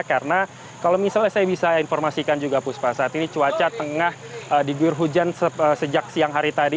karena kalau misalnya saya bisa informasikan juga puspa saat ini cuaca tengah diguyur hujan sejak siang hari tadi